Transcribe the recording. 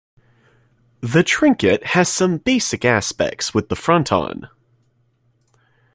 The trinquet has some basic aspects with the fronton.